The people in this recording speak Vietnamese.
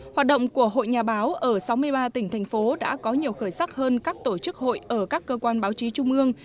hoạt động của hội nhà báo ở sáu mươi ba tỉnh thành phố đã có nhiều khởi sắc hơn các tổ chức hội ở các cơ quan báo chí trung ương